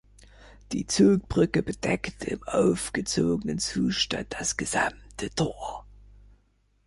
Die Zugbrücke bedeckte im aufgezogenen Zustand das gesamte Tor.